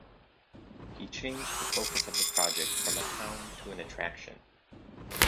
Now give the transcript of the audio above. He changed the focus of the project from a town to an attraction.